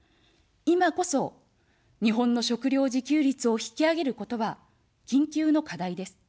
いまこそ、日本の食料自給率を引き上げることは、緊急の課題です。